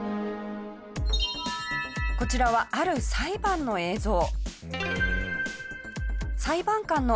こちらはある裁判の映像。